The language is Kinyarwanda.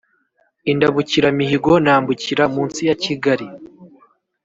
indabukiramihigo nambukira munsi ya kigali,